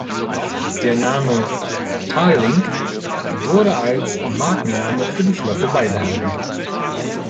Der Name „Tallink“ wurde als Markenname für die Flotte beibehalten.